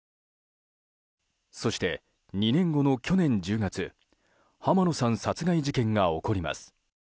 そして、２年後の去年１０月浜野さん殺害事件が起こります。